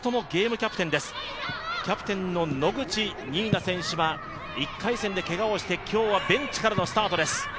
キャプテンの野口初奈選手は１回戦でけがをして今日はベンチからのスタートです。